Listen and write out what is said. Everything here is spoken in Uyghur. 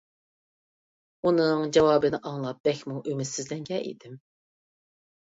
ئۇنىڭ جاۋابىنى ئاڭلاپ بەكمۇ ئۈمىدسىزلەنگەن ئىدىم.